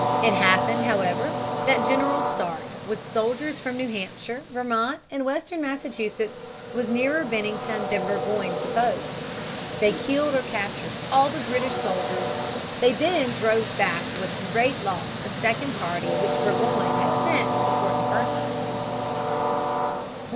It happened, however, that General Stark, with soldiers from New Hampshire, Vermont, and western Massachusetts, was nearer Bennington than Burgoyne supposed. They killed or captured all the British soldiers. They then drove back with great loss a second party which Burgoyne had sent to support the first one.